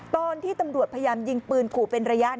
ตอนที่ตำรวจพยายามยิงปืนขู่เป็นระยะ